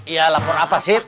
ya lapor apa sih